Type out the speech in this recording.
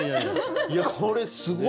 いやこれすごい！